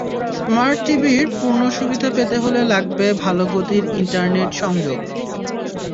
Smart টিভির পূর্ণ সুবিধা পেতে হলে লাগবে ভালো গতির ইন্টারনেট সংযোগ।